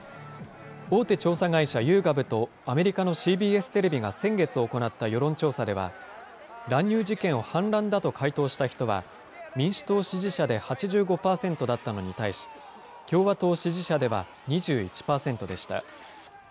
大手調査会社、ユーガブとアメリカのＣＢＳテレビが先月行った世論調査では、乱入事件を反乱だと回答した人は、民主党支持者で８５％だったのに対し、共和党支持者では２１％でした。